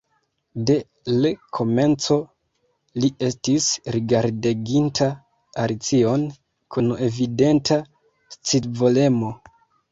De l' komenco li estis rigardeginta Alicion kun evidenta scivolemo.